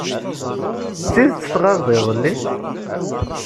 D tidet tɣabeḍ iḍelli?